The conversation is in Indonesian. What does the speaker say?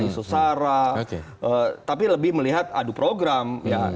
isu sara tapi lebih melihat adu program ya